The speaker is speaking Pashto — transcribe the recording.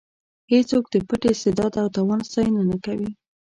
هېڅوک د پټ استعداد او توان ستاینه نه کوي.